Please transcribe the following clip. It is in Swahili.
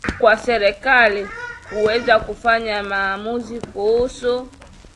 kwa serikali kuweza kufanya maamuzi kuhusu